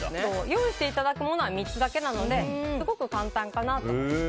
用意していただくものは３つだけなのですごく簡単かなと思います。